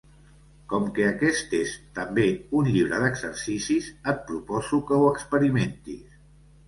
Com que aquest és, també, un llibre d'exercicis, et proposo que ho experimentis.